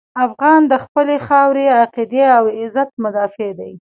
افغان د خپلې خاورې، عقیدې او عزت مدافع دی.